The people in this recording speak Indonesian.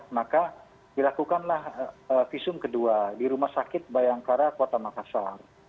maka dilakukanlah visum kedua di rumah sakit bayangkara kota makassar